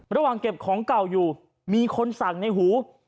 ระหว่างเก็บของเก่าอยู่มีคนสั่งในหู